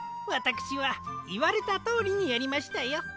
わたくしはいわれたとおりにやりましたよ。